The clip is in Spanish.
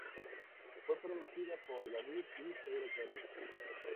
Fue producido por David y Pedro Torres.